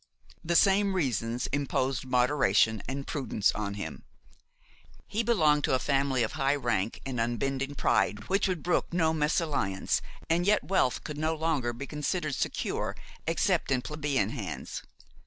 The same reasons imposed moderation and prudence on him. He belonged to a family of high rank and unbending pride which would brook no mésalliance, and yet wealth could no longer be considered secure except in plebeian hands.